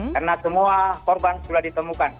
karena semua korban sudah ditemukan